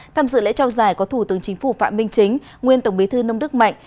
tham dự lễ trao giải có thủ tướng chính phủ phạm minh chính nguyên tổng bí thư nông đức mạnh